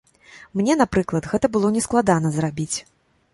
Мне, напрыклад, гэта было не складана зрабіць.